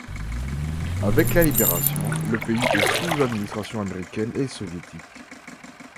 Avec la Libération, le pays est sous administration américaine et soviétique.